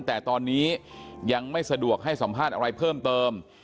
แต่ตอนนี้ยังไม่สะดวกให้สัมภาษณ์อะไรเพิ่มเติม